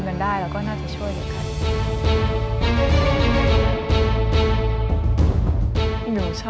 พลอยเชื่อว่าเราก็จะสามารถชนะเพื่อนที่เป็นผู้เข้าประกวดได้เหมือนกัน